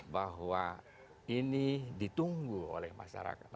bahwa ini ditunggu oleh masyarakat